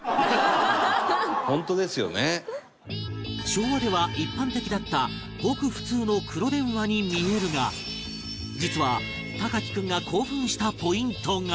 昭和では一般的だったごく普通の黒電話に見えるが実は隆貴君が興奮したポイントが